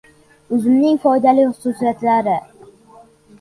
Uzumning foydali xususiyatlari